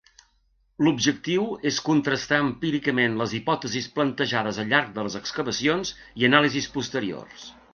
L'objectiu és contrastar empíricament les hipòtesis plantejades al llarg de les excavacions i anàlisis posteriors.